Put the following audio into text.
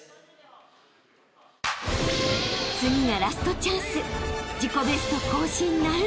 ［次がラストチャンス］